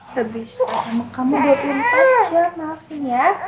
lebih sesama kamu dua puluh empat jam maafin ya